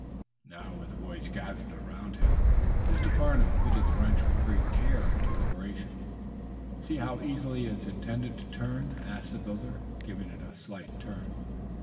Now, with the boys gathered about him, Mr. Farnum fitted the wrench with great care and deliberation. "See how easily it's intended to turn?" asked the builder, giving it a slight turn.